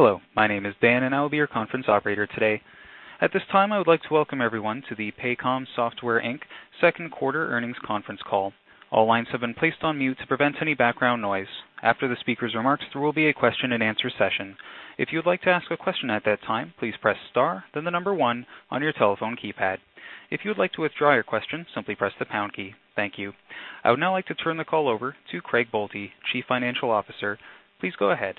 Hello, my name is Dan and I will be your conference operator today. At this time, I would like to welcome everyone to the Paycom Software, Inc. second quarter earnings conference call. All lines have been placed on mute to prevent any background noise. After the speaker's remarks, there will be a question and answer session. If you would like to ask a question at that time, please press star, then the number one on your telephone keypad. If you would like to withdraw your question, simply press the pound key. Thank you. I would now like to turn the call over to Craig Boelte, Chief Financial Officer. Please go ahead.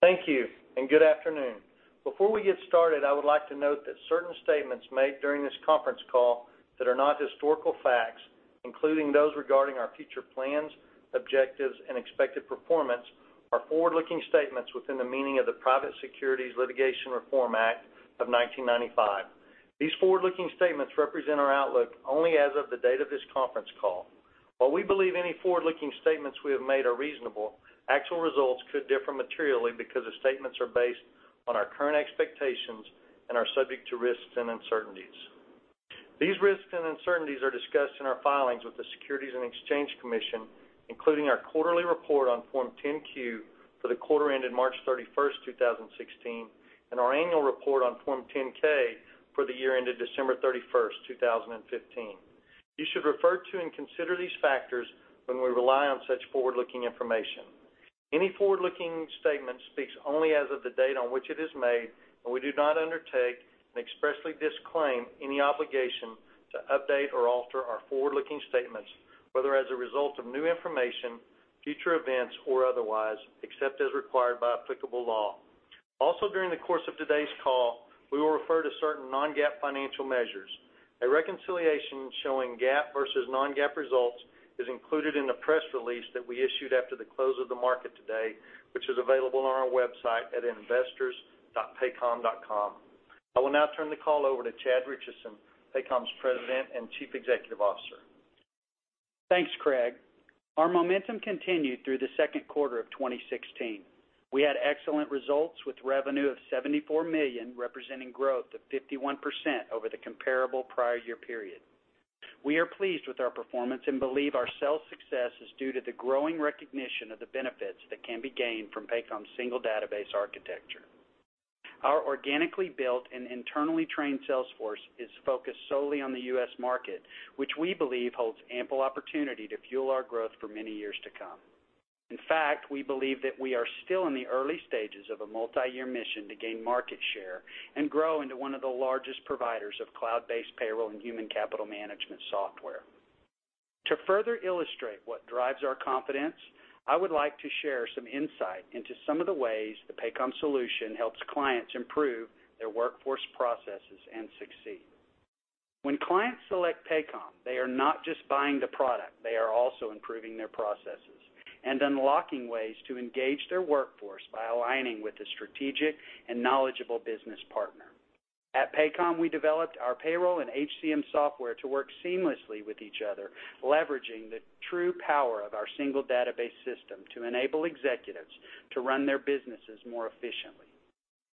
Thank you, and good afternoon. Before we get started, I would like to note that certain statements made during this conference call that are not historical facts, including those regarding our future plans, objectives, and expected performance, are forward-looking statements within the meaning of the Private Securities Litigation Reform Act of 1995. These forward-looking statements represent our outlook only as of the date of this conference call. While we believe any forward-looking statements we have made are reasonable, actual results could differ materially because the statements are based on our current expectations and are subject to risks and uncertainties. These risks and uncertainties are discussed in our filings with the Securities and Exchange Commission, including our quarterly report on Form 10-Q for the quarter ended March 31st, 2016, and our annual report on Form 10-K for the year ended December 31st, 2015. You should refer to and consider these factors when we rely on such forward-looking information. Any forward-looking statement speaks only as of the date on which it is made. We do not undertake and expressly disclaim any obligation to update or alter our forward-looking statements, whether as a result of new information, future events, or otherwise, except as required by applicable law. Also, during the course of today's call, we will refer to certain non-GAAP financial measures. A reconciliation showing GAAP versus non-GAAP results is included in the press release that we issued after the close of the market today, which is available on our website at investors.paycom.com. I will now turn the call over to Chad Richison, Paycom's President and Chief Executive Officer. Thanks, Craig. Our momentum continued through the second quarter of 2016. We had excellent results with revenue of $74 million, representing growth of 51% over the comparable prior year period. We are pleased with our performance and believe our sales success is due to the growing recognition of the benefits that can be gained from Paycom's single database architecture. Our organically built and internally trained sales force is focused solely on the U.S. market, which we believe holds ample opportunity to fuel our growth for many years to come. In fact, we believe that we are still in the early stages of a multi-year mission to gain market share and grow into one of the largest providers of cloud-based payroll and human capital management software. To further illustrate what drives our confidence, I would like to share some insight into some of the ways the Paycom solution helps clients improve their workforce processes and succeed. When clients select Paycom, they are not just buying the product, they are also improving their processes and unlocking ways to engage their workforce by aligning with a strategic and knowledgeable business partner. At Paycom, we developed our payroll and HCM software to work seamlessly with each other, leveraging the true power of our single database system to enable executives to run their businesses more efficiently.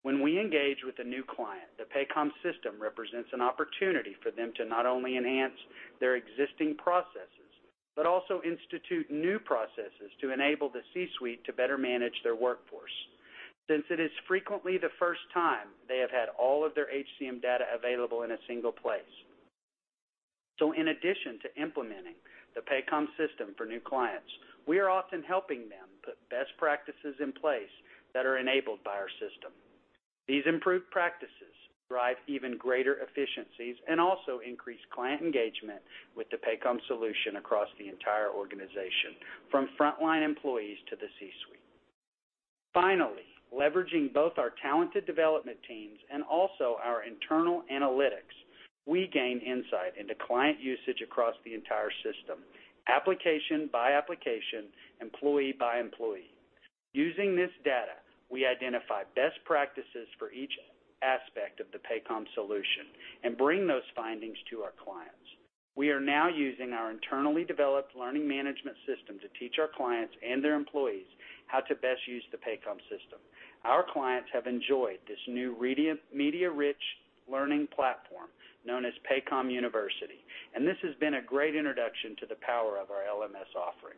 When we engage with a new client, the Paycom system represents an opportunity for them to not only enhance their existing processes, but also institute new processes to enable the C-suite to better manage their workforce, since it is frequently the first time they have had all of their HCM data available in a single place. In addition to implementing the Paycom system for new clients, we are often helping them put best practices in place that are enabled by our system. These improved practices drive even greater efficiencies and also increase client engagement with the Paycom solution across the entire organization, from frontline employees to the C-suite. Finally, leveraging both our talented development teams and also our internal analytics, we gain insight into client usage across the entire system, application by application, employee by employee. Using this data, we identify best practices for each aspect of the Paycom solution and bring those findings to our clients. We are now using our internally developed learning management system to teach our clients and their employees how to best use the Paycom system. Our clients have enjoyed this new media-rich learning platform known as Paycom University, and this has been a great introduction to the power of our LMS offering.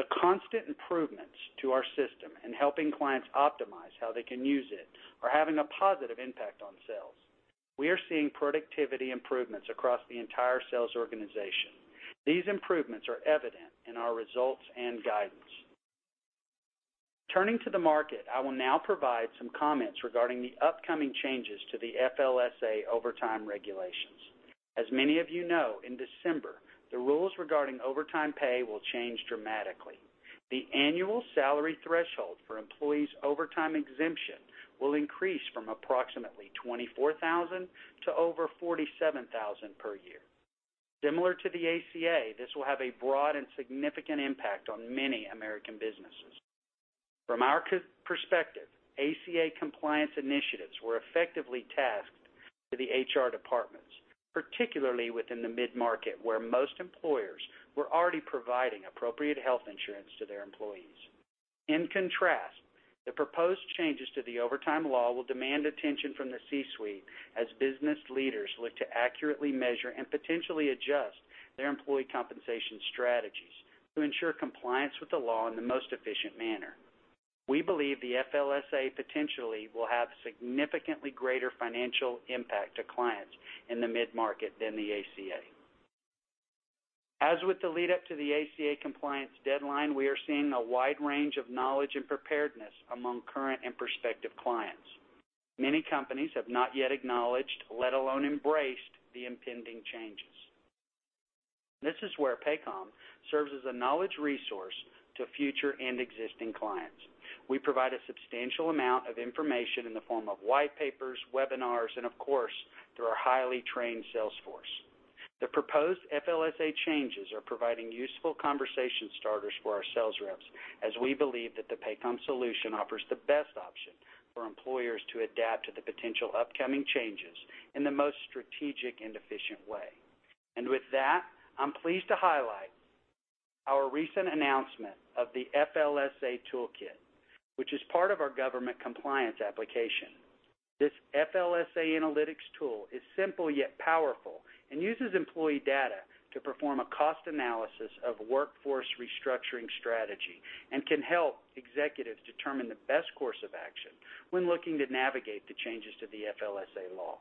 The constant improvements to our system and helping clients optimize how they can use it are having a positive impact on sales. We are seeing productivity improvements across the entire sales organization. These improvements are evident in our results and guidance. Turning to the market, I will now provide some comments regarding the upcoming changes to the FLSA overtime regulations. As many of you know, in December, the rules regarding overtime pay will change dramatically. The annual salary threshold for employees' overtime exemption will increase from approximately $24,000 to over $47,000 per year. Similar to the ACA, this will have a broad and significant impact on many American businesses. From our perspective, ACA compliance initiatives were effectively tasked to the HR departments, particularly within the mid-market, where most employers were already providing appropriate health insurance to their employees. In contrast, the proposed changes to the overtime law will demand attention from the C-suite as business leaders look to accurately measure and potentially adjust their employee compensation strategies to ensure compliance with the law in the most efficient manner. We believe the FLSA potentially will have significantly greater financial impact to clients in the mid-market than the ACA. As with the lead-up to the ACA compliance deadline, we are seeing a wide range of knowledge and preparedness among current and prospective clients. Many companies have not yet acknowledged, let alone embraced, the impending changes. This is where Paycom serves as a knowledge resource to future and existing clients. We provide a substantial amount of information in the form of white papers, webinars, and of course, through our highly trained sales force. The proposed FLSA changes are providing useful conversation starters for our sales reps, as we believe that the Paycom solution offers the best option for employers to adapt to the potential upcoming changes in the most strategic and efficient way. With that, I'm pleased to highlight our recent announcement of the FLSA Toolkit, which is part of our government compliance application. This FLSA analytics tool is simple, yet powerful, uses employee data to perform a cost analysis of workforce restructuring strategy, and can help executives determine the best course of action when looking to navigate the changes to the FLSA law.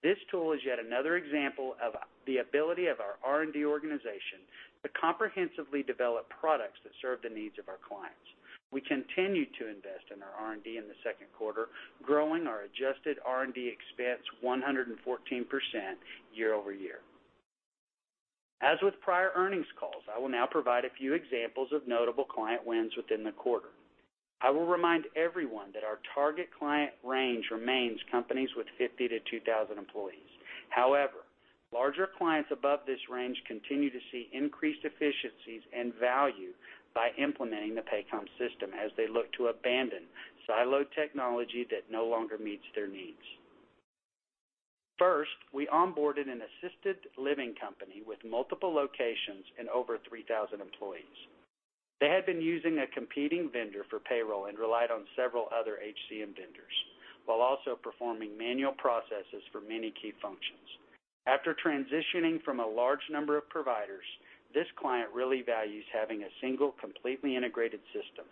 This tool is yet another example of the ability of our R&D organization to comprehensively develop products that serve the needs of our clients. We continue to invest in our R&D in the second quarter, growing our adjusted R&D expense 114% year-over-year. As with prior earnings calls, I will now provide a few examples of notable client wins within the quarter. I will remind everyone that our target client range remains companies with 50 to 2,000 employees. However, larger clients above this range continue to see increased efficiencies and value by implementing the Paycom system as they look to abandon siloed technology that no longer meets their needs. First, we onboarded an assisted living company with multiple locations and over 3,000 employees. They had been using a competing vendor for payroll and relied on several other HCM vendors, while also performing manual processes for many key functions. After transitioning from a large number of providers, this client really values having a single, completely integrated system.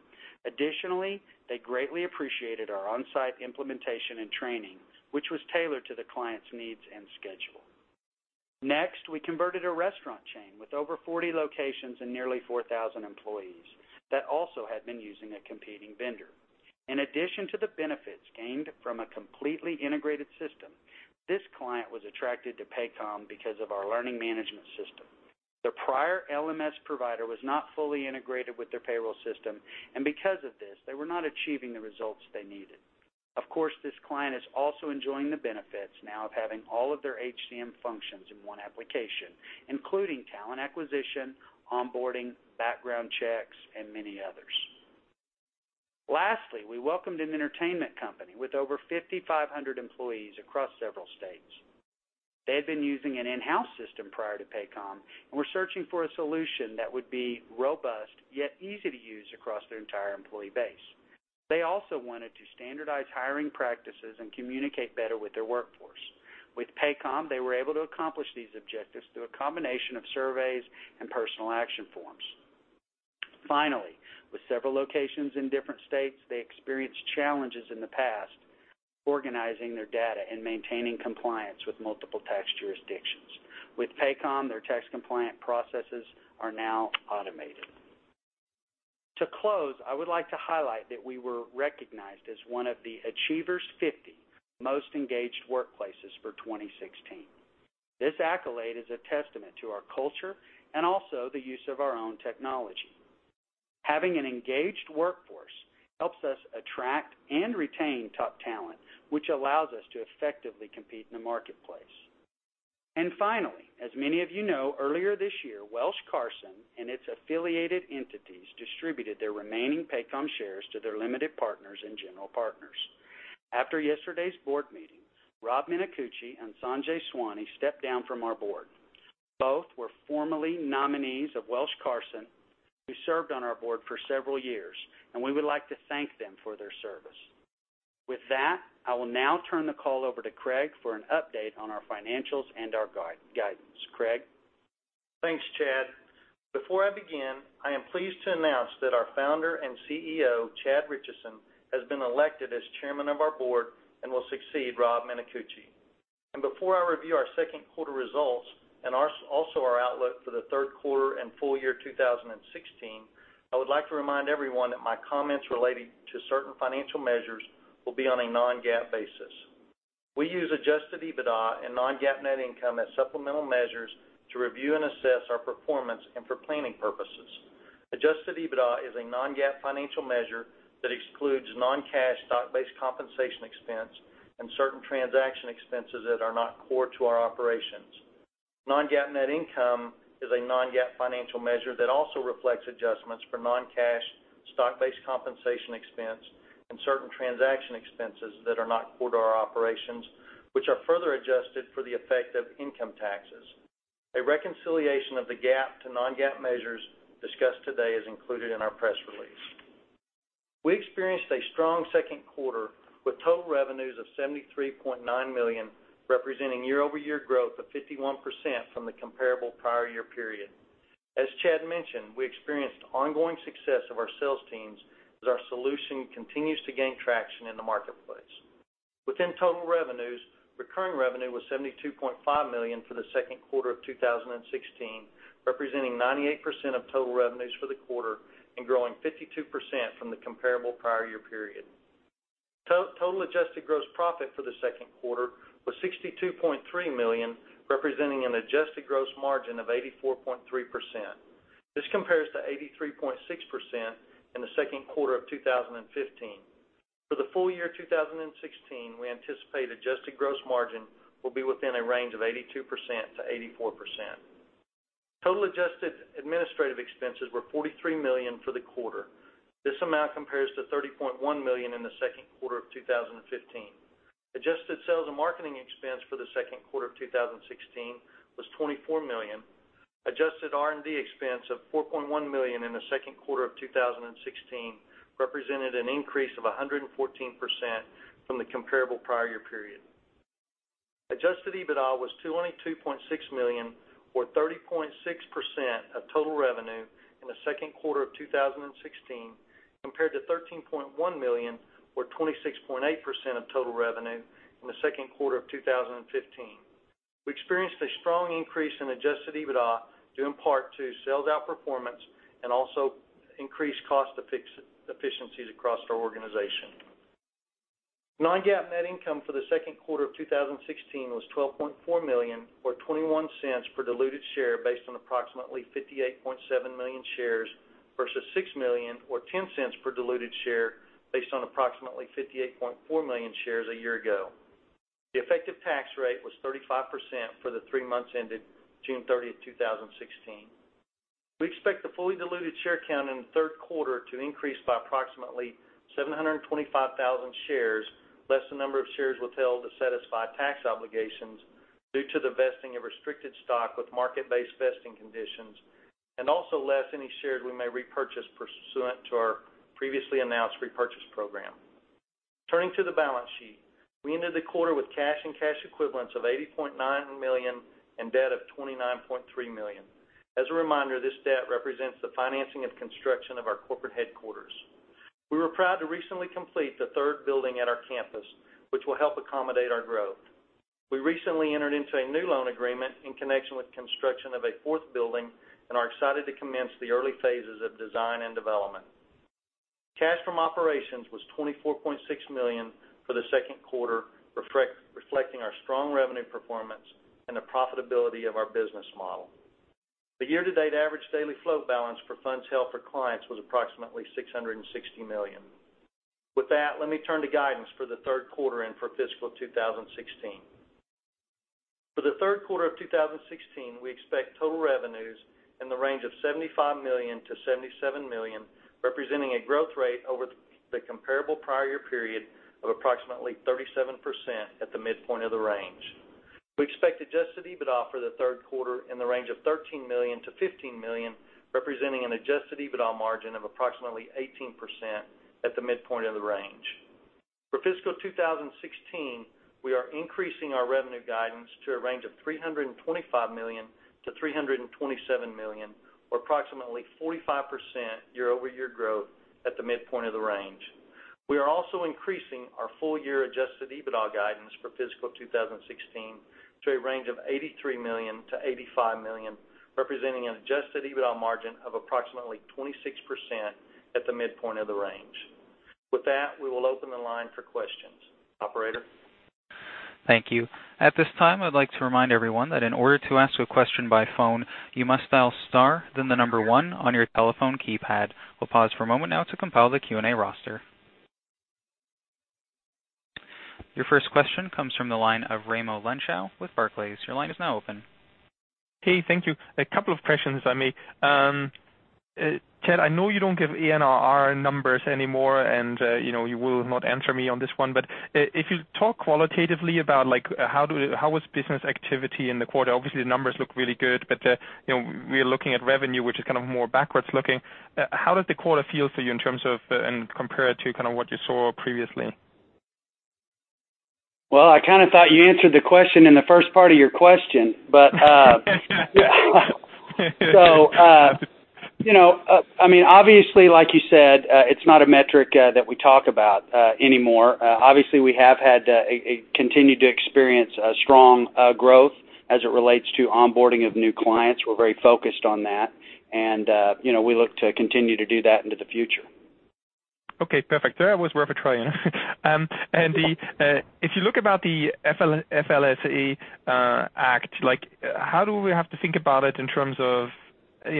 Additionally, they greatly appreciated our on-site implementation and training, which was tailored to the client's needs and schedule. Next, we converted a restaurant chain with over 40 locations and nearly 4,000 employees that also had been using a competing vendor. In addition to the benefits gained from a completely integrated system, this client was attracted to Paycom because of our learning management system. Their prior LMS provider was not fully integrated with their payroll system, because of this, they were not achieving the results they needed. Of course, this client is also enjoying the benefits now of having all of their HCM functions in one application, including talent acquisition, onboarding, background checks, and many others. Lastly, we welcomed an entertainment company with over 5,500 employees across several states. They had been using an in-house system prior to Paycom and were searching for a solution that would be robust, yet easy to use across their entire employee base. They also wanted to standardize hiring practices and communicate better with their workforce. With Paycom, they were able to accomplish these objectives through a combination of surveys and personal action forms. Finally, with several locations in different states, they experienced challenges in the past organizing their data and maintaining compliance with multiple tax jurisdictions. With Paycom, their tax compliance processes are now automated. To close, I would like to highlight that we were recognized as one of the Achievers 50 Most Engaged Workplaces for 2016. This accolade is a testament to our culture and also the use of our own technology. Having an engaged workforce helps us attract and retain top talent, which allows us to effectively compete in the marketplace. Finally, as many of you know, earlier this year, Welsh Carson and its affiliated entities distributed their remaining Paycom shares to their limited partners and general partners. After yesterday's board meeting, Rob Minicucci and Sanjay Swani stepped down from our board. Both were formerly nominees of Welsh Carson, who served on our board for several years, and we would like to thank them for their service. With that, I will now turn the call over to Craig for an update on our financials and our guidance. Craig? Thanks, Chad. Before I begin, I am pleased to announce that our founder and CEO, Chad Richison, has been elected as chairman of our board and will succeed Rob Minicucci. Before I review our second quarter results and also our outlook for the third quarter and full year 2016, I would like to remind everyone that my comments relating to certain financial measures will be on a non-GAAP basis. We use adjusted EBITDA and non-GAAP net income as supplemental measures to review and assess our performance and for planning purposes. Adjusted EBITDA is a non-GAAP financial measure that excludes non-cash stock-based compensation expense and certain transaction expenses that are not core to our operations. Non-GAAP net income is a non-GAAP financial measure that also reflects adjustments for non-cash stock-based compensation expense and certain transaction expenses that are not core to our operations, which are further adjusted for the effect of income taxes. A reconciliation of the GAAP to non-GAAP measures discussed today is included in our press release. We experienced a strong second quarter with total revenues of $73.9 million, representing year-over-year growth of 51% from the comparable prior year period. As Chad mentioned, we experienced ongoing success of our sales teams as our solution continues to gain traction in the marketplace. Within total revenues, recurring revenue was $72.5 million for the second quarter of 2016, representing 98% of total revenues for the quarter, and growing 52% from the comparable prior year period. Total adjusted gross profit for the second quarter was $62.3 million, representing an adjusted gross margin of 84.3%. This compares to 83.6% in the second quarter of 2015. For the full year 2016, we anticipate adjusted gross margin will be within a range of 82%-84%. Total adjusted administrative expenses were $43 million for the quarter. This amount compares to $30.1 million in the second quarter of 2015. Adjusted sales and marketing expense for the second quarter of 2016 was $24 million. Adjusted R&D expense of $4.1 million in the second quarter of 2016 represented an increase of 114% from the comparable prior year period. Adjusted EBITDA was $22.6 million or 30.6% of total revenue in the second quarter of 2016 compared to $13.1 million or 26.8% of total revenue in the second quarter of 2015. We experienced a strong increase in adjusted EBITDA due in part to sales outperformance and also increased cost efficiencies across our organization. Non-GAAP net income for the second quarter of 2016 was $12.4 million or $0.21 per diluted share based on approximately 58.7 million shares versus $6 million or $0.10 per diluted share based on approximately 58.4 million shares a year ago. The effective tax rate was 35% for the three months ended June 30th, 2016. We expect the fully diluted share count in the third quarter to increase by approximately 725,000 shares, less the number of shares withheld to satisfy tax obligations due to divesting of restricted stock with market-based vesting conditions, and also less any shares we may repurchase pursuant to our previously announced repurchase program. Turning to the balance sheet. We ended the quarter with cash and cash equivalents of $80.9 million and debt of $29.3 million. As a reminder, this debt represents the financing of construction of our corporate headquarters. We were proud to recently complete the third building at our campus, which will help accommodate our growth. We recently entered into a new loan agreement in connection with construction of a fourth building and are excited to commence the early phases of design and development. Cash from operations was $24.6 million for the second quarter, reflecting our strong revenue performance and the profitability of our business model. The year-to-date average daily flow balance for funds held for clients was approximately $660 million. With that, let me turn to guidance for the third quarter and for fiscal 2016. For the third quarter of 2016, we expect total revenues in the range of $75 million-$77 million, representing a growth rate over the comparable prior year period of approximately 37% at the midpoint of the range. We expect adjusted EBITDA for the third quarter in the range of $13 million-$15 million, representing an adjusted EBITDA margin of approximately 18% at the midpoint of the range. For fiscal 2016, we are increasing our revenue guidance to a range of $325 million-$327 million or approximately 45% year-over-year growth at the midpoint of the range. We are also increasing our full-year adjusted EBITDA guidance for fiscal 2016 to a range of $83 million-$85 million, representing an adjusted EBITDA margin of approximately 26% at the midpoint of the range. With that, we will open the line for questions. Operator? Thank you. At this time, I'd like to remind everyone that in order to ask a question by phone, you must dial star, then the number one on your telephone keypad. We'll pause for a moment now to compile the Q&A roster. Your first question comes from the line of Raimo Lenschow with Barclays. Your line is now open. Hey, thank you. A couple of questions, if I may. Chad, I know you don't give ANRR numbers anymore, and you will not answer me on this one. If you talk qualitatively about how was business activity in the quarter, obviously the numbers look really good, but we are looking at revenue, which is more backwards looking. How does the quarter feel for you in terms of, and compared to what you saw previously? Well, I kind of thought you answered the question in the first part of your question. Obviously like you said, it's not a metric that we talk about anymore. Obviously, we have had continued to experience strong growth as it relates to onboarding of new clients. We're very focused on that, and we look to continue to do that into the future. Okay, perfect. That was worth a try. If you look about the FLSA act, how do we have to think about it in terms of We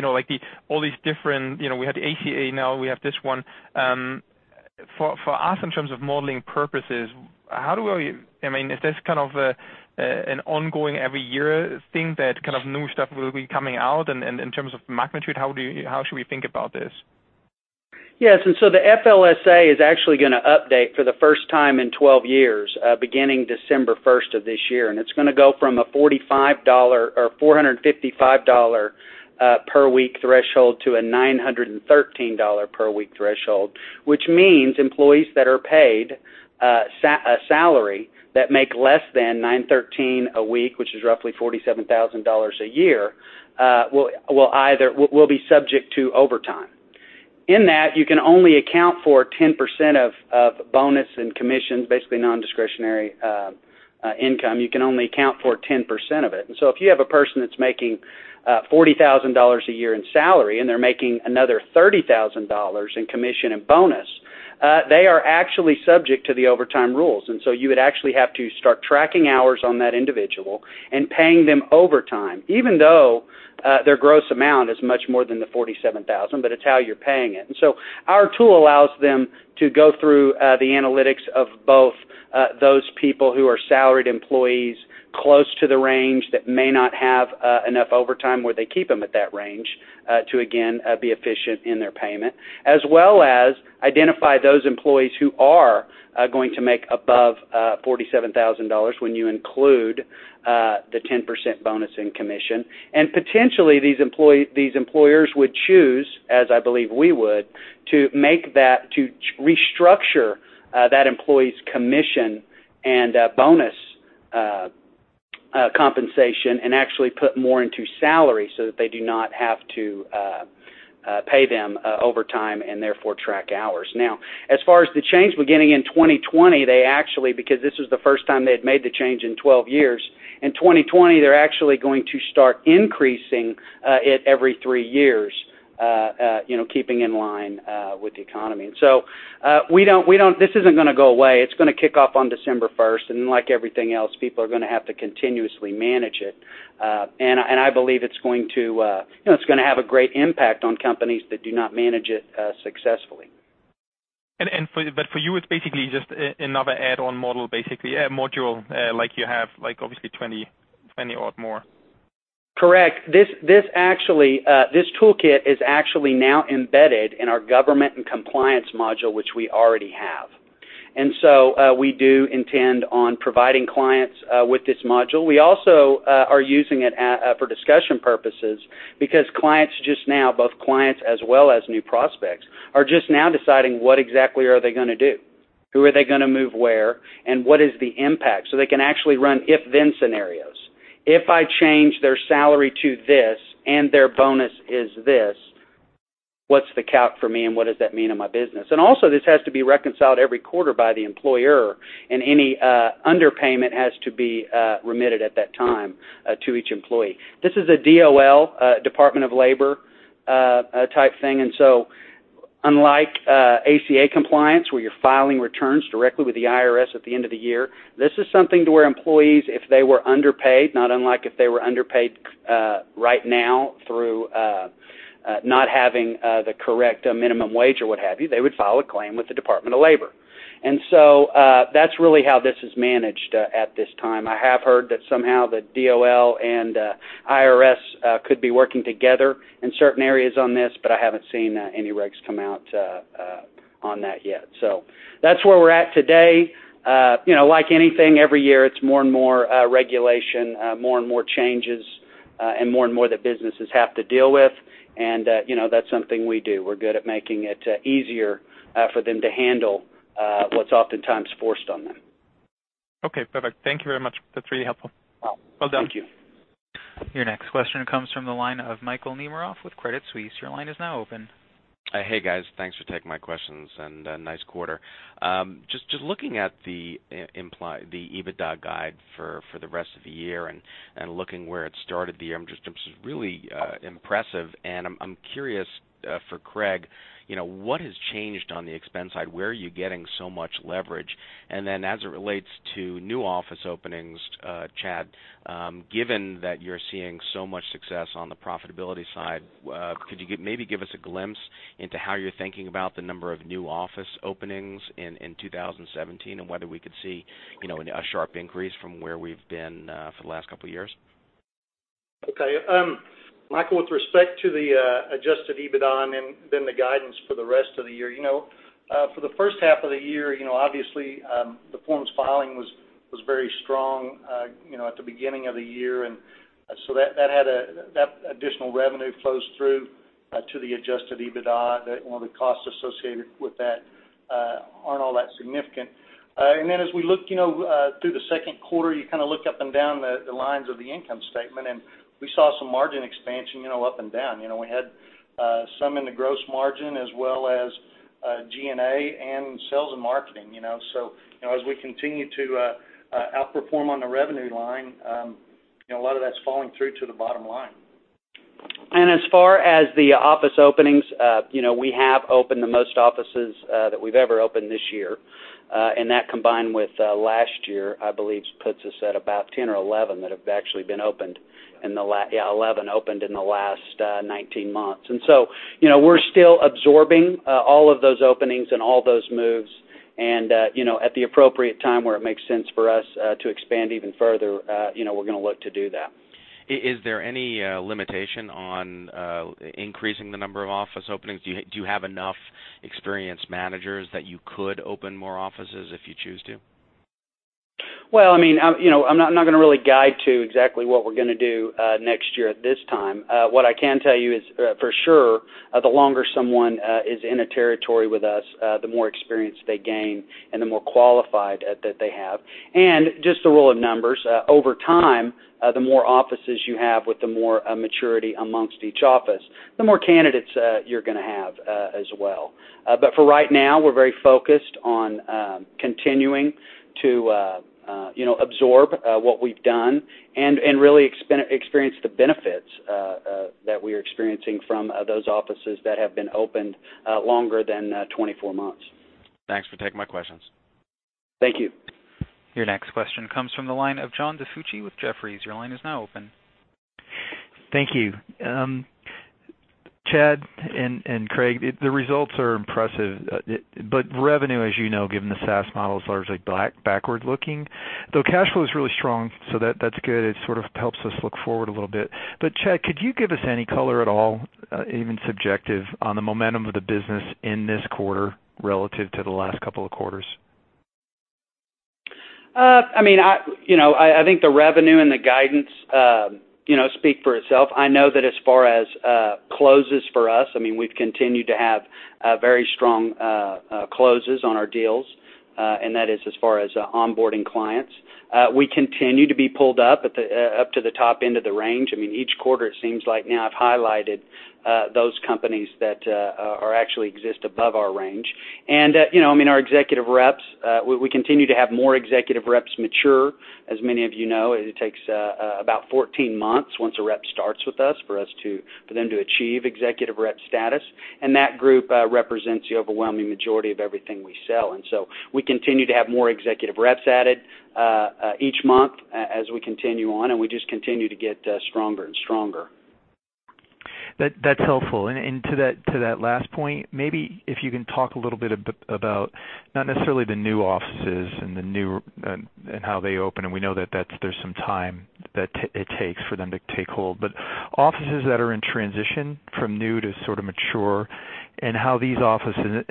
had the ACA, now we have this one. For us, in terms of modeling purposes, is this an ongoing every year thing that new stuff will be coming out, and in terms of magnitude, how should we think about this? Yes. The FLSA is actually going to update for the first time in 12 years, beginning December 1st of this year. It's going to go from a $455 per week threshold to a $913 per week threshold, which means employees that are paid a salary that make less than $913 a week, which is roughly $47,000 a year, will be subject to overtime. In that, you can only account for 10% of bonus and commissions, basically non-discretionary income. You can only account for 10% of it. If you have a person that's making $40,000 a year in salary, and they're making another $30,000 in commission and bonus, they are actually subject to the overtime rules. You would actually have to start tracking hours on that individual and paying them overtime, even though their gross amount is much more than the $47,000, but it's how you're paying it. Our tool allows them to go through the analytics of both those people who are salaried employees close to the range that may not have enough overtime, where they keep them at that range to again, be efficient in their payment, as well as identify those employees who are going to make above $47,000 when you include the 10% bonus in commission. Potentially these employers would choose, as I believe we would, to restructure that employee's commission and bonus compensation and actually put more into salary so that they do not have to pay them overtime and therefore track hours. Now, as far as the change beginning in 2020, they actually, because this is the first time they had made the change in 12 years. 2020, they're actually going to start increasing it every three years, keeping in line with the economy. This isn't going to go away. It's going to kick off on December 1st, like everything else, people are going to have to continuously manage it. I believe it's going to have a great impact on companies that do not manage it successfully. For you, it's basically just another add-on module. A module, like you have obviously 20-odd more. Correct. This FLSA Toolkit is actually now embedded in our government and compliance module, which we already have. We do intend on providing clients with this module. We also are using it for discussion purposes because clients just now, both clients as well as new prospects, are just now deciding what exactly are they going to do. Who are they going to move where, and what is the impact? They can actually run if then scenarios. If I change their salary to this and their bonus is this, what's the count for me and what does that mean in my business? This has to be reconciled every quarter by the employer and any underpayment has to be remitted at that time to each employee. This is a DOL, Department of Labor type thing. Unlike ACA compliance, where you're filing returns directly with the IRS at the end of the year, this is something to where employees, if they were underpaid, not unlike if they were underpaid right now through not having the correct minimum wage or what have you, they would file a claim with the Department of Labor. That's really how this is managed at this time. I have heard that somehow the DOL and IRS could be working together in certain areas on this, but I haven't seen any regs come out on that yet. That's where we're at today. Like anything, every year it's more and more regulation, more and more changes, and more and more that businesses have to deal with. That's something we do. We're good at making it easier for them to handle what's oftentimes forced on them. Okay, perfect. Thank you very much. That's really helpful. Well done. Thank you. Your next question comes from the line of Michael Nemeroff with Credit Suisse. Your line is now open. Hey, guys. Thanks for taking my questions, and nice quarter. Just looking at the EBITDA guide for the rest of the year and looking where it started the year, it's really impressive. I'm curious for Craig, what has changed on the expense side? Where are you getting so much leverage? As it relates to new office openings, Chad, given that you're seeing so much success on the profitability side, could you maybe give us a glimpse into how you're thinking about the number of new office openings in 2017 and whether we could see a sharp increase from where we've been for the last couple of years? Okay. Michael, with respect to the adjusted EBITDA and then the guidance for the rest of the year. For the first half of the year, obviously, the forms filing was very strong at the beginning of the year, and so that additional revenue flows through to the adjusted EBITDA, the costs associated with that aren't all that significant. As we look through the second quarter, you kind of look up and down the lines of the income statement, and we saw some margin expansion up and down. We had some in the gross margin as well as G&A and sales and marketing. As we continue to outperform on the revenue line, a lot of that's falling through to the bottom line. As far as the office openings, we have opened the most offices that we've ever opened this year. That combined with last year, I believe puts us at about 10 or 11 that have actually been opened. Yeah. Yeah, 11 opened in the last 19 months. So we're still absorbing all of those openings and all those moves and at the appropriate time where it makes sense for us to expand even further, we're going to look to do that. Is there any limitation on increasing the number of office openings? Do you have enough experienced managers that you could open more offices if you choose to? Well, I'm not going to really guide to exactly what we're going to do next year at this time. What I can tell you is, for sure, the longer someone is in a territory with us, the more experience they gain and the more qualified that they have. Just the rule of numbers, over time, the more offices you have with the more maturity amongst each office, the more candidates you're going to have as well. For right now, we're very focused on continuing to absorb what we've done and really experience the benefits that we're experiencing from those offices that have been opened longer than 24 months. Thanks for taking my questions. Thank you. Your next question comes from the line of John DiFucci with Jefferies. Your line is now open. Thank you. Chad and Craig, the results are impressive. Revenue, as you know, given the SaaS model is largely backward-looking, though cash flow is really strong, that's good. It sort of helps us look forward a little bit. Chad, could you give us any color at all, even subjective, on the momentum of the business in this quarter relative to the last couple of quarters? I think the revenue and the guidance speak for itself. I know that as far as closes for us, we've continued to have very strong closes on our deals, and that is as far as onboarding clients. We continue to be pulled up to the top end of the range. Each quarter, it seems like now I've highlighted those companies that actually exist above our range. Our executive reps, we continue to have more executive reps mature. As many of you know, it takes about 14 months once a rep starts with us, for them to achieve executive rep status. That group represents the overwhelming majority of everything we sell. We continue to have more executive reps added each month as we continue on, and we just continue to get stronger and stronger. That's helpful. To that last point, maybe if you can talk a little bit about, not necessarily the new offices and how they open, and we know that there's some time that it takes for them to take hold. Offices that are in transition from new to sort of mature and how these offices.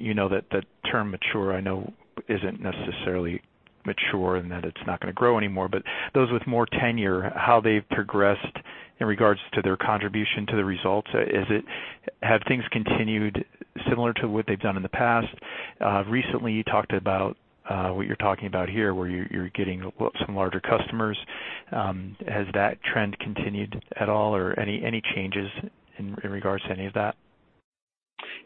You know that term mature, I know isn't necessarily mature and that it's not going to grow anymore. Those with more tenure, how they've progressed in regards to their contribution to the results. Have things continued similar to what they've done in the past? Recently, you talked about what you're talking about here, where you're getting some larger customers. Has that trend continued at all or any changes in regards to any of that?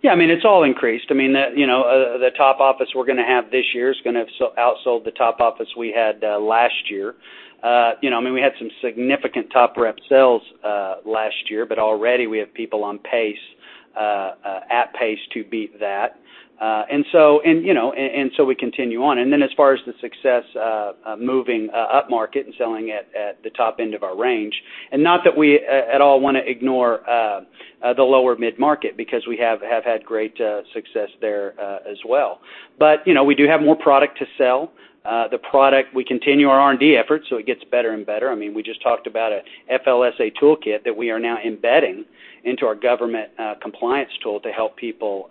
Yeah, it's all increased. The top office we're going to have this year is going to have outsold the top office we had last year. We had some significant top rep sales last year, but already we have people at pace to beat that. We continue on. As far as the success of moving upmarket and selling at the top end of our range, and not that we at all want to ignore the lower mid-market, because we have had great success there as well. We do have more product to sell. The product, we continue our R&D efforts, so it gets better and better. We just talked about a FLSA Toolkit that we are now embedding into our government compliance tool to help people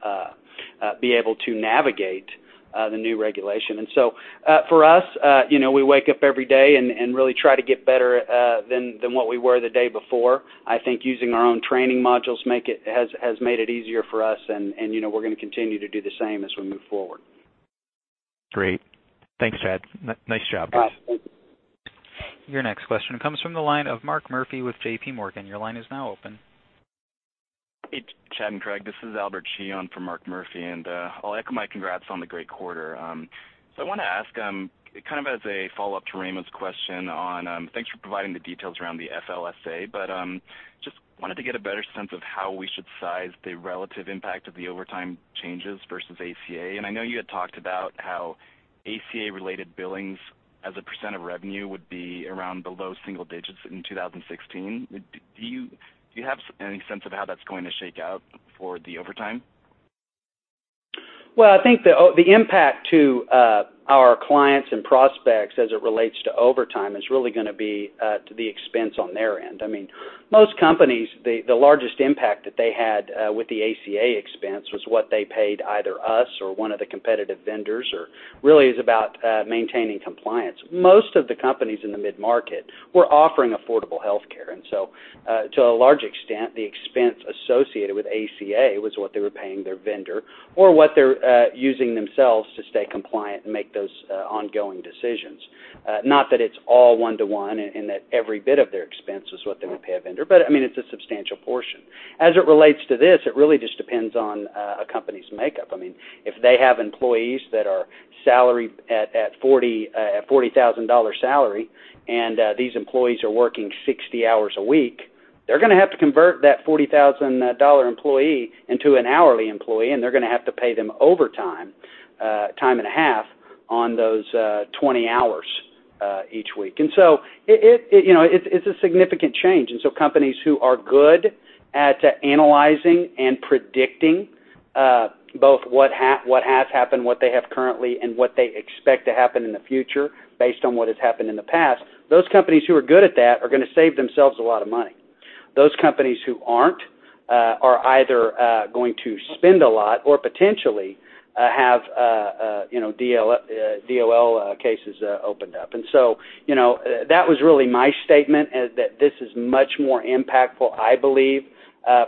be able to navigate the new regulation. For us, we wake up every day and really try to get better than what we were the day before. I think using our own training modules has made it easier for us, and we're going to continue to do the same as we move forward. Great. Thanks, Chad. Nice job, guys. All right. Thank you. Your next question comes from the line of Mark Murphy with JPMorgan. Your line is now open. Hey, Chad and Craig. This is Albert from Mark Murphy, I'll echo my congrats on the great quarter. I want to ask, kind of as a follow-up to Raimo's question on, thanks for providing the details around the FLSA, but just wanted to get a better sense of how we should size the relative impact of the overtime changes versus ACA. I know you had talked about how ACA-related billings as a % of revenue would be around the low single digits in 2016. Do you have any sense of how that's going to shake out for the overtime? Well, I think the impact to our clients and prospects as it relates to overtime is really going to be to the expense on their end. Most companies, the largest impact that they had with the ACA expense was what they paid either us or one of the competitive vendors, or really is about maintaining compliance. Most of the companies in the mid-market were offering affordable healthcare. To a large extent, the expense associated with ACA was what they were paying their vendor or what they are using themselves to stay compliant and make those ongoing decisions. Not that it is all one-to-one and that every bit of their expense is what they would pay a vendor, but it is a substantial portion. As it relates to this, it really just depends on a company's makeup. If they have employees that are salaried at $40,000 salary, and these employees are working 60 hours a week, they are going to have to convert that $40,000 employee into an hourly employee, and they are going to have to pay them overtime, time and a half, on those 20 hours each week. It is a significant change. Companies who are good at analyzing and predicting both what has happened, what they have currently, and what they expect to happen in the future based on what has happened in the past, those companies who are good at that are going to save themselves a lot of money. Those companies who are not, are either going to spend a lot or potentially have DOL cases opened up. That was really my statement, that this is much more impactful, I believe,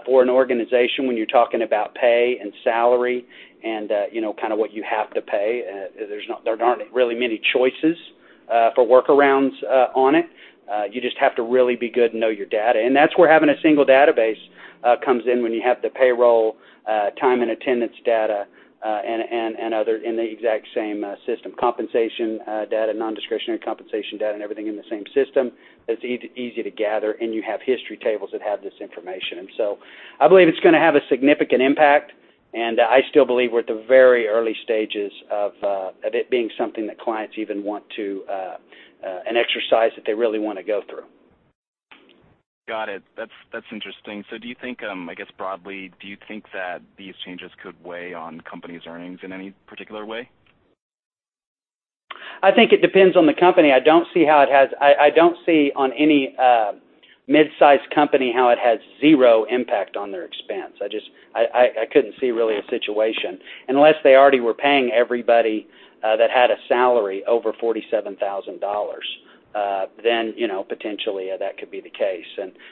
for an organization when you are talking about pay and salary and what you have to pay. There are not really many choices for workarounds on it. You just have to really be good and know your data. That is where having a single database comes in when you have the payroll, time and attendance data, and other in the exact same system. Compensation data, non-discretionary compensation data, and everything in the same system is easy to gather, and you have history tables that have this information. I believe it is going to have a significant impact, and I still believe we are at the very early stages of it being something that clients even want to, an exercise that they really want to go through. Got it. That is interesting. Do you think, I guess broadly, do you think that these changes could weigh on companies' earnings in any particular way? I think it depends on the company. I don't see on any mid-size company how it has zero impact on their expense. I couldn't see, really, a situation. Unless they already were paying everybody that had a salary over $47,000, then potentially, that could be the case.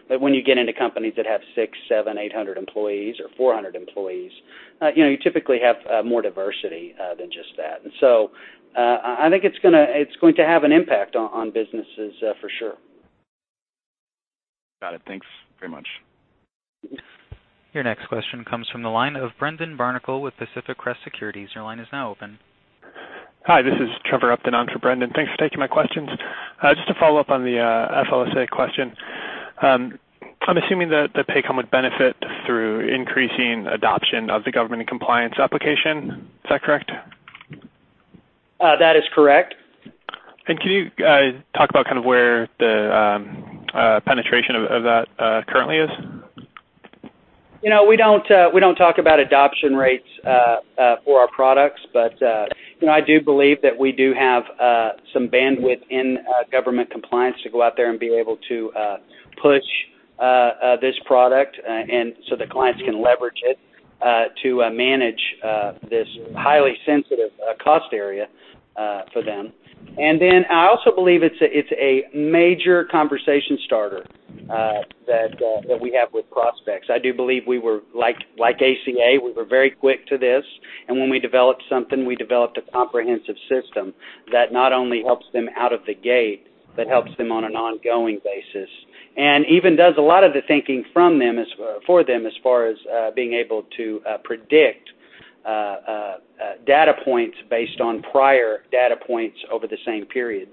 When you get into companies that have 6, 7, 800 employees or 400 employees, you typically have more diversity than just that. I think it's going to have an impact on businesses for sure. Got it. Thanks very much. Your next question comes from the line of Brendan Barnicle with Pacific Crest Securities. Your line is now open. Hi, this is Trevor Upton on for Brendan. Thanks for taking my questions. Just to follow up on the FLSA question. I'm assuming that Paycom would benefit through increasing adoption of the government and compliance application. Is that correct? That is correct. Can you talk about where the penetration of that currently is? We don't talk about adoption rates for our products. I do believe that we do have some bandwidth in government compliance to go out there and be able to push this product, and so the clients can leverage it to manage this highly sensitive cost area for them. I also believe it's a major conversation starter that we have with prospects. I do believe like ACA, we were very quick to this, and when we developed something, we developed a comprehensive system that not only helps them out of the gate, but helps them on an ongoing basis. Even does a lot of the thinking for them as far as being able to predict data points based on prior data points over the same period.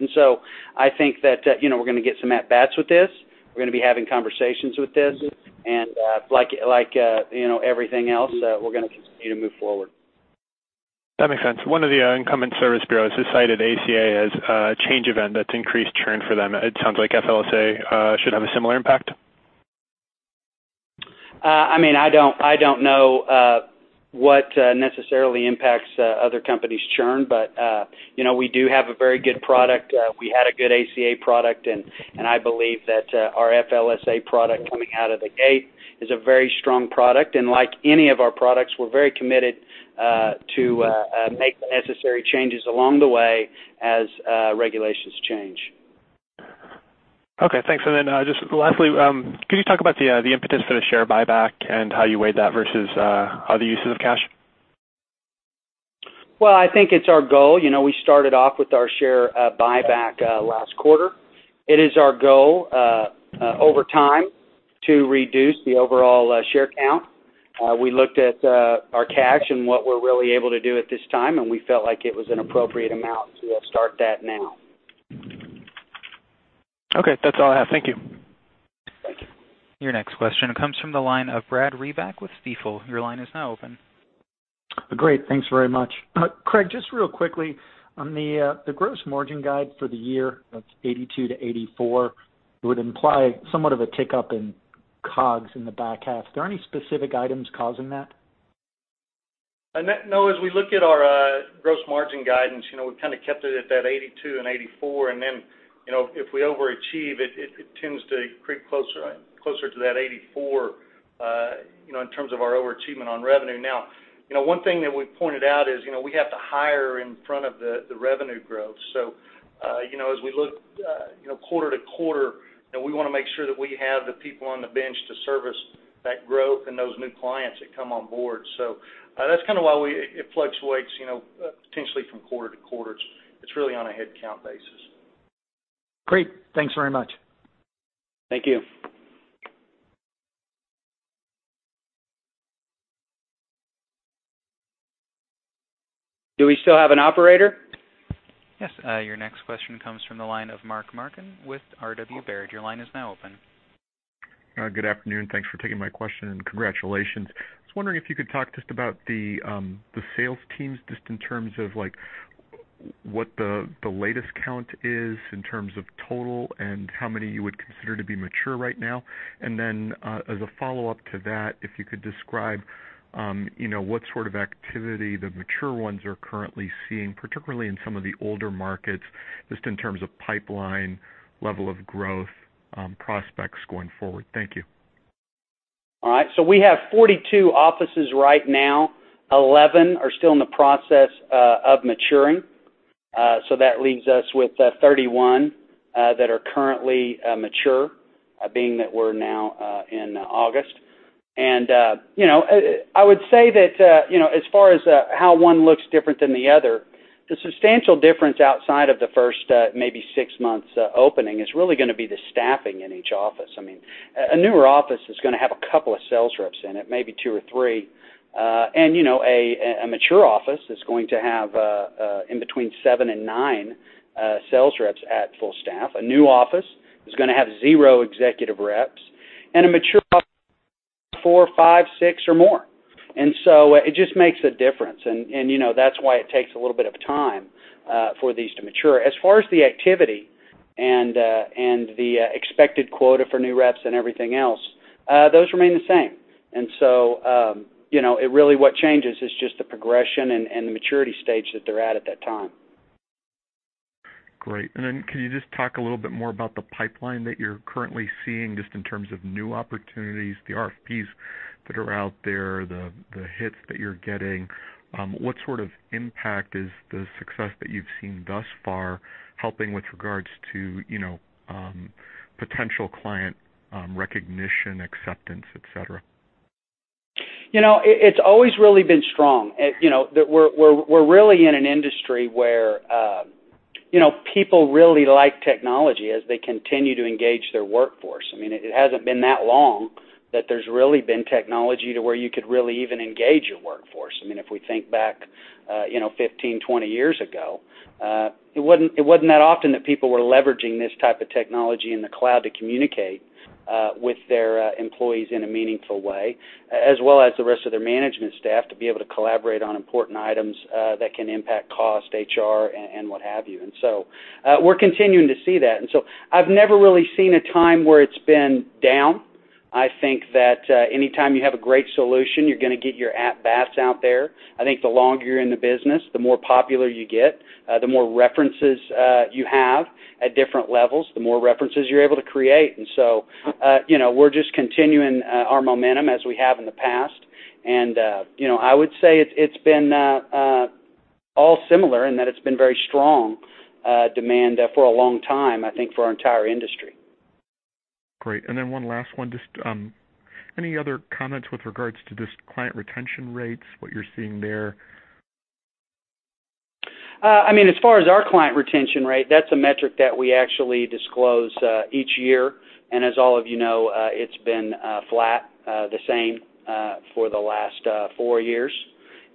I think that we're going to get some at-bats with this. We're going to be having conversations with this, and like everything else, we're going to continue to move forward. That makes sense. One of the incumbent service bureaus has cited ACA as a change event that's increased churn for them. It sounds like FLSA should have a similar impact? I don't know what necessarily impacts other companies' churn, we do have a very good product. We had a good ACA product, I believe that our FLSA product coming out of the gate is a very strong product, like any of our products, we're very committed to make the necessary changes along the way as regulations change. Okay, thanks. Just lastly, can you talk about the impetus for the share buyback and how you weighed that versus other uses of cash? Well, I think it's our goal. We started off with our share buyback last quarter. It is our goal, over time, to reduce the overall share count. We looked at our cash and what we're really able to do at this time, we felt like it was an appropriate amount to start that now. Okay. That's all I have. Thank you. Thank you. Your next question comes from the line of Brad Reback with Stifel. Your line is now open. Great. Thanks very much. Craig, just real quickly, on the gross margin guide for the year, that's 82%-84%, it would imply somewhat of a tick up in COGS in the back half. Is there any specific items causing that? No, as we look at our gross margin guidance, we kept it at that 82% and 84%, and then, if we overachieve, it tends to creep closer to that 84%, in terms of our overachievement on revenue. One thing that we pointed out is we have to hire in front of the revenue growth. As we look quarter-to-quarter, we want to make sure that we have the people on the bench to service that growth and those new clients that come on board. That's why it fluctuates, potentially from quarter-to-quarter. It's really on a headcount basis. Great. Thanks very much. Thank you. Do we still have an operator? Yes. Your next question comes from the line of Mark Marcon with RW Baird. Your line is now open. Good afternoon. Thanks for taking my question, and congratulations. I was wondering if you could talk just about the sales teams, just in terms of what the latest count is in terms of total and how many you would consider to be mature right now. Then, as a follow-up to that, if you could describe what sort of activity the mature ones are currently seeing, particularly in some of the older markets, just in terms of pipeline, level of growth, prospects going forward. Thank you. We have 42 offices right now. 11 are still in the process of maturing. That leaves us with 31 that are currently mature, being that we're now in August. I would say that, as far as how one looks different than the other, the substantial difference outside of the first maybe six months opening is really going to be the staffing in each office. A newer office is going to have a couple of sales reps in it, maybe two or three. A mature office is going to have in between seven and nine sales reps at full staff. A new office is going to have zero executive reps, and a mature office, four, five, six, or more. It just makes a difference, and that's why it takes a little bit of time for these to mature. As far as the activity and the expected quota for new reps and everything else, those remain the same. Really what changes is just the progression and the maturity stage that they're at at that time. Great. Then can you just talk a little bit more about the pipeline that you're currently seeing, just in terms of new opportunities, the RFPs that are out there, the hits that you're getting? What sort of impact is the success that you've seen thus far helping with regards to potential client recognition, acceptance, et cetera? It's always really been strong. We're really in an industry where people really like technology as they continue to engage their workforce. It hasn't been that long that there's really been technology to where you could really even engage your workforce. If we think back 15, 20 years ago, it wasn't that often that people were leveraging this type of technology in the cloud to communicate with their employees in a meaningful way, as well as the rest of their management staff, to be able to collaborate on important items that can impact cost, HR, and what have you. We're continuing to see that. I've never really seen a time where it's been down. I think that anytime you have a great solution, you're going to get your at bats out there. I think the longer you're in the business, the more popular you get, the more references you have at different levels, the more references you're able to create. We're just continuing our momentum as we have in the past. I would say it's been all similar in that it's been very strong demand for a long time, I think, for our entire industry. Great. One last one. Just any other comments with regards to just client retention rates, what you're seeing there? As far as our client retention rate, that's a metric that we actually disclose each year. As all of you know, it's been flat, the same, for the last four years.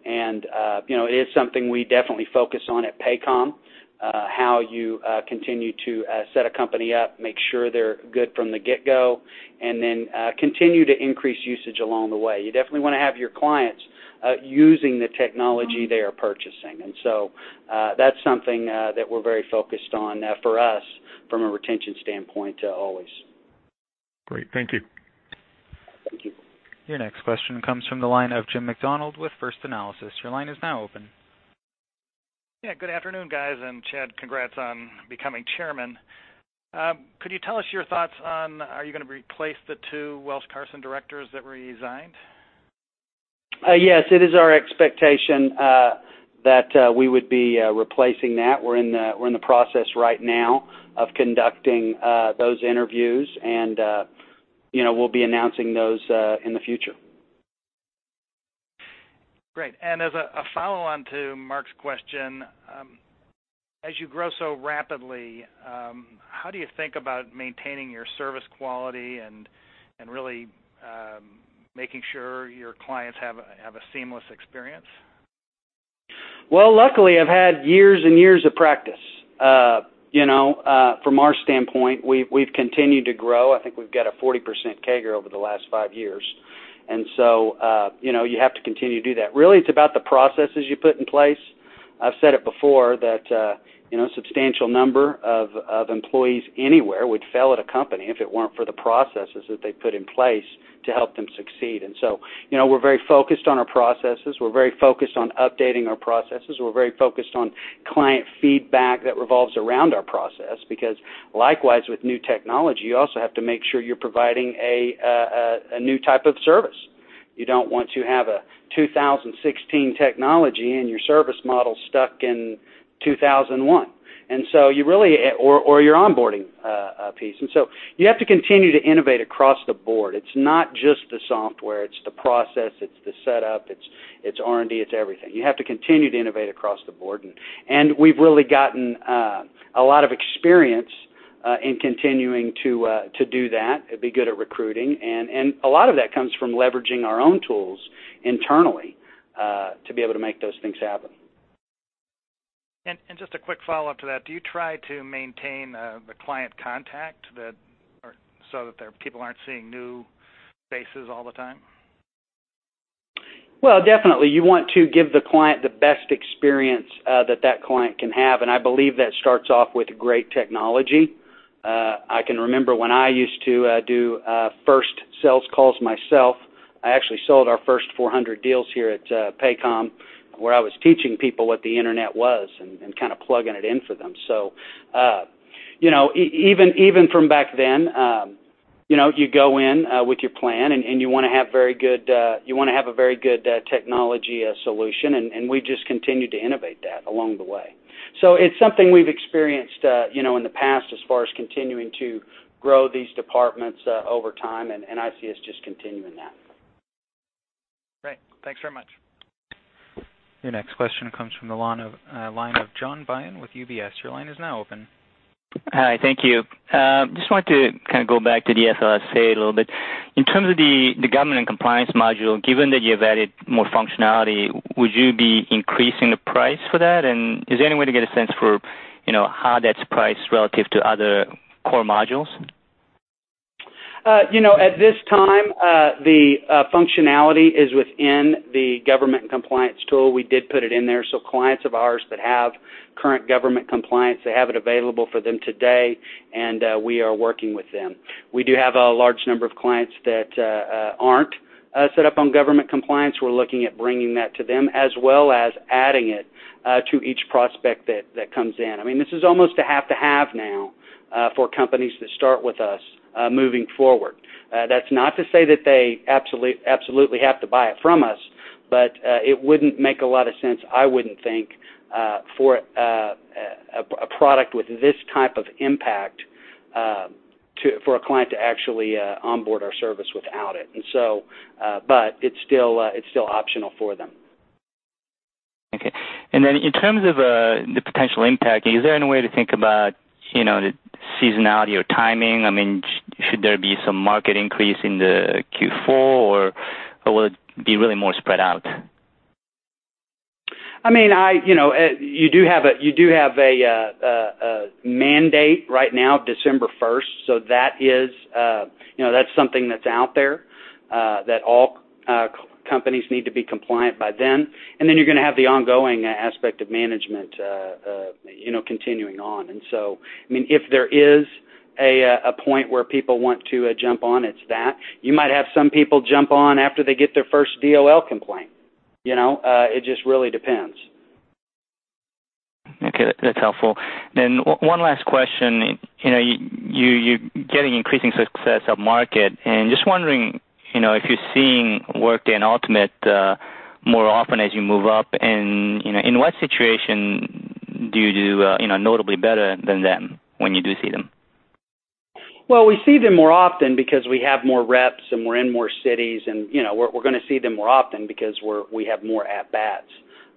It is something we definitely focus on at Paycom, how you continue to set a company up, make sure they're good from the get-go, and then continue to increase usage along the way. You definitely want to have your clients using the technology they are purchasing. That's something that we're very focused on for us from a retention standpoint, always. Great. Thank you. Thank you. Your next question comes from the line of Jim Macdonald with First Analysis. Your line is now open. Yeah, good afternoon, guys. Chad, congrats on becoming chairman. Could you tell us your thoughts on, are you going to replace the two Welsh Carson directors that resigned? Yes. It is our expectation that we would be replacing that. We're in the process right now of conducting those interviews, and we'll be announcing those in the future. Great. As a follow-on to Mark's question, as you grow so rapidly, how do you think about maintaining your service quality and really making sure your clients have a seamless experience? Well, luckily, I've had years and years of practice. From our standpoint, we've continued to grow. I think we've got a 40% CAGR over the last five years. You have to continue to do that. Really, it's about the processes you put in place. I've said it before that substantial number of employees anywhere would fail at a company if it weren't for the processes that they've put in place to help them succeed. We're very focused on our processes. We're very focused on updating our processes. We're very focused on client feedback that revolves around our process, because likewise, with new technology, you also have to make sure you're providing a new type of service. You don't want to have a 2016 technology and your service model stuck in 2001, or your onboarding piece. You have to continue to innovate across the board. It's not just the software, it's the process, it's the setup, it's R&D, it's everything. You have to continue to innovate across the board, and we've really gotten a lot of experience in continuing to do that and be good at recruiting. A lot of that comes from leveraging our own tools internally, to be able to make those things happen. Just a quick follow-up to that, do you try to maintain the client contact so that people aren't seeing new faces all the time? Well, definitely. You want to give the client the best experience that client can have, and I believe that starts off with great technology. I can remember when I used to do first sales calls myself. I actually sold our first 400 deals here at Paycom, where I was teaching people what the internet was and kind of plugging it in for them. Even from back then, you go in with your plan, and you want to have a very good technology solution, and we just continued to innovate that along the way. It's something we've experienced in the past as far as continuing to grow these departments over time, and I see us just continuing that. Great. Thanks very much. Your next question comes from the line of John Byun with UBS. Your line is now open. Hi, thank you. Just wanted to kind of go back to the FLSA a little bit. In terms of the government and compliance module, given that you have added more functionality, would you be increasing the price for that? Is there any way to get a sense for how that's priced relative to other core modules? At this time, the functionality is within the government compliance tool. We did put it in there, so clients of ours that have current government compliance, they have it available for them today, and we are working with them. We do have a large number of clients that aren't set up on government compliance. We're looking at bringing that to them, as well as adding it to each prospect that comes in. This is almost a have to have now for companies to start with us moving forward. That's not to say that they absolutely have to buy it from us, but it wouldn't make a lot of sense, I wouldn't think, for a product with this type of impact, for a client to actually onboard our service without it. It's still optional for them. Okay. In terms of the potential impact, is there any way to think about the seasonality or timing? Should there be some market increase in the Q4, or will it be really more spread out? You do have a mandate right now, December 1st, so that's something that's out there, that all companies need to be compliant by then. You're going to have the ongoing aspect of management continuing on. If there is a point where people want to jump on, it's that. You might have some people jump on after they get their first DOL complaint. It just really depends. Okay, that's helpful. One last question. You're getting increasing success up market, and just wondering if you're seeing Workday and Ultimate more often as you move up, and in what situation do you do notably better than them when you do see them? We see them more often because we have more reps, and we're in more cities, and we're going to see them more often because we have more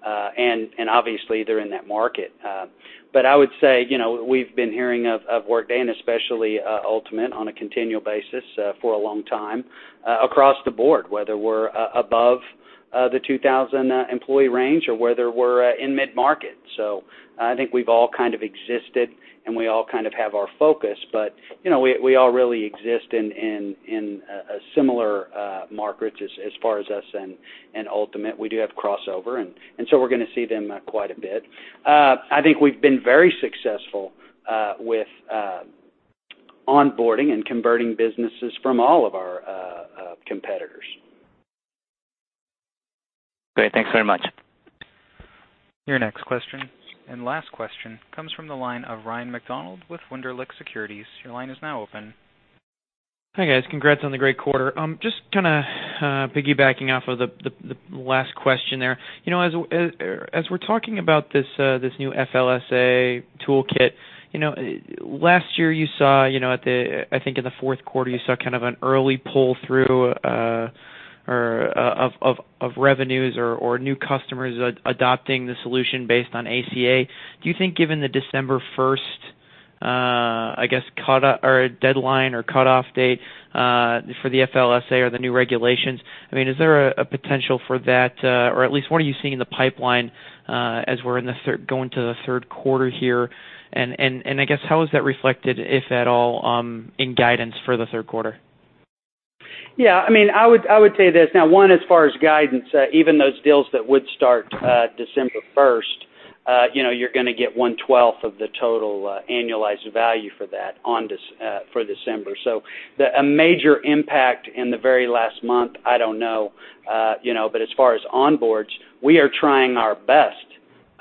at-bats. Obviously, they're in that market. I would say, we've been hearing of Workday, and especially Ultimate, on a continual basis for a long time, across the board, whether we're above the 2,000 employee range or whether we're in mid-market. I think we've all kind of existed, and we all kind of have our focus, but we all really exist in a similar market as far as us and Ultimate. We do have crossover, and so we're going to see them quite a bit. I think we've been very successful with onboarding and converting businesses from all of our competitors. Great. Thanks very much. Your next question, and last question, comes from the line of Ryan MacDonald with Wunderlich Securities. Your line is now open. Hi, guys. Congrats on the great quarter. Just kind of piggybacking off of the last question there. As we're talking about this new FLSA Toolkit, last year, I think in the fourth quarter, you saw kind of an early pull-through of revenues or new customers adopting the solution based on ACA. Do you think given the December 1st, I guess, deadline or cutoff date for the FLSA or the new regulations, is there a potential for that? At least, what are you seeing in the pipeline as we're going to the third quarter here? I guess, how is that reflected, if at all, in guidance for the third quarter? Yeah, I would say this. One, as far as guidance, even those deals that would start December 1, you're going to get one twelfth of the total annualized value for that for December. A major impact in the very last month, I don't know. As far as onboards, we are trying our best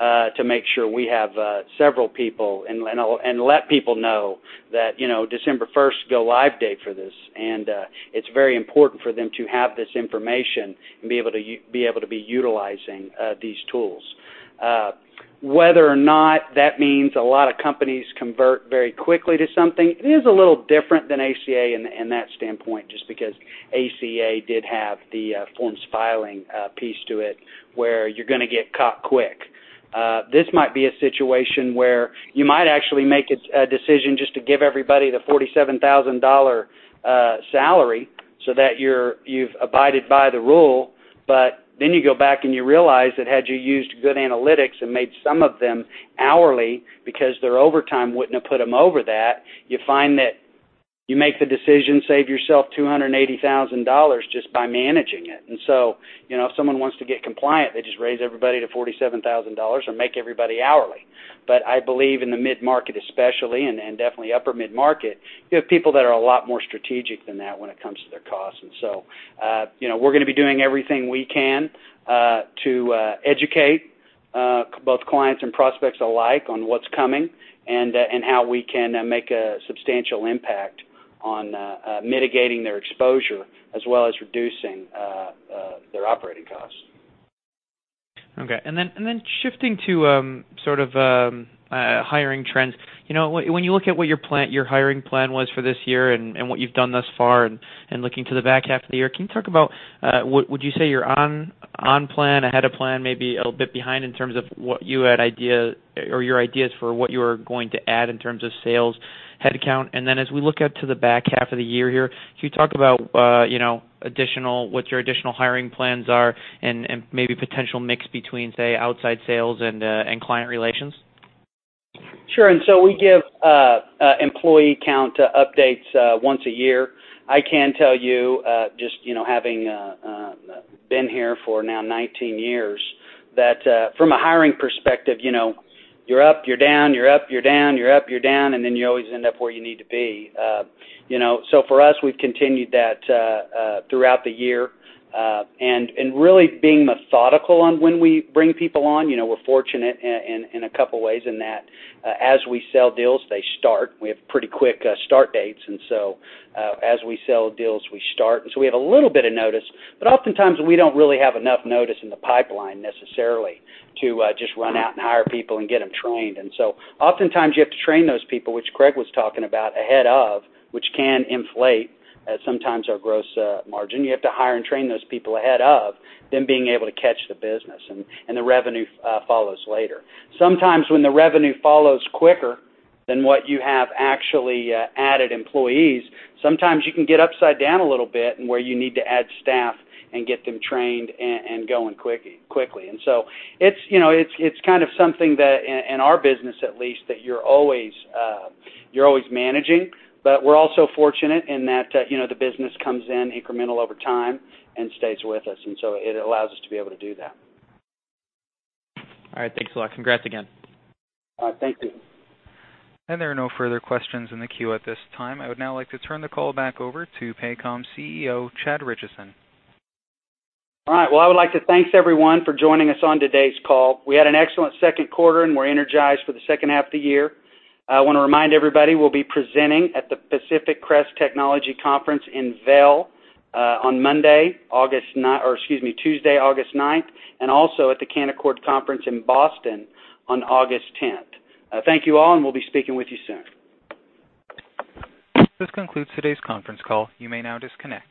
to make sure we have several people and let people know that December 1 is go live date for this, and it's very important for them to have this information and be able to be utilizing these tools. Whether or not that means a lot of companies convert very quickly to something, it is a little different than ACA in that standpoint, just because ACA did have the forms filing piece to it, where you're going to get caught quick. This might be a situation where you might actually make a decision just to give everybody the $47,000 salary so that you've abided by the rule. You go back and you realize that had you used good analytics and made some of them hourly because their overtime wouldn't have put them over that, you find that you make the decision, save yourself $280,000 just by managing it. If someone wants to get compliant, they just raise everybody to $47,000 or make everybody hourly. I believe in the mid-market especially, and definitely upper mid-market, you have people that are a lot more strategic than that when it comes to their costs. We're going to be doing everything we can to educate both clients and prospects alike on what's coming, and how we can make a substantial impact on mitigating their exposure, as well as reducing their operating costs. Shifting to sort of hiring trends. When you look at what your hiring plan was for this year and what you've done thus far and looking to the back half of the year, can you talk about would you say you're on plan, ahead of plan, maybe a little bit behind in terms of what you had idea or your ideas for what you are going to add in terms of sales head count? As we look out to the back half of the year here, can you talk about what your additional hiring plans are and maybe potential mix between, say, outside sales and client relations? Sure. We give employee count updates once a year. I can tell you, just having been here for now 19 years, that from a hiring perspective, you're up, you're down, you're up, you're down, you're up, you're down, and then you always end up where you need to be. For us, we've continued that throughout the year. Really being methodical on when we bring people on. We're fortunate in a couple ways in that as we sell deals, they start. We have pretty quick start dates. As we sell deals, we start. We have a little bit of notice, but oftentimes we don't really have enough notice in the pipeline necessarily to just run out and hire people and get them trained. Oftentimes you have to train those people, which Craig was talking about, ahead of, which can inflate sometimes our gross margin. You have to hire and train those people ahead of then being able to catch the business, and the revenue follows later. Sometimes when the revenue follows quicker than what you have actually added employees, sometimes you can get upside down a little bit and where you need to add staff and get them trained and going quickly. It's kind of something that, in our business at least, that you're always managing. We're also fortunate in that the business comes in incremental over time and stays with us, it allows us to be able to do that. All right. Thanks a lot. Congrats again. Thank you. There are no further questions in the queue at this time. I would now like to turn the call back over to Paycom's CEO, Chad Richison. All right. Well, I would like to thank everyone for joining us on today's call. We had an excellent second quarter. We're energized for the second half of the year. I want to remind everybody, we'll be presenting at the Pacific Crest Technology Conference in Vail on Tuesday, August ninth, also at the Canaccord Conference in Boston on August 10th. Thank you all. We'll be speaking with you soon. This concludes today's conference call. You may now disconnect.